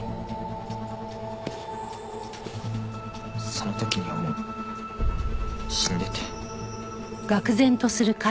その時にはもう死んでて。